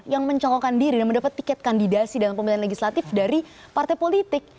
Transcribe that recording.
yang mencokokkan diri dan mendapat tiket kandidasi dalam pemilihan legislatif dari partai politik